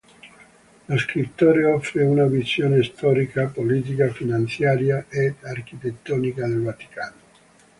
Lo scrittore offre una visione storica, politica, finanziaria ed architettonica del Vaticano.